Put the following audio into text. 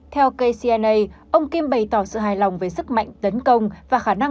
theo kcna ông kim bày tỏ sự hài lòng về sức mạnh tấn công và khả năng cơ động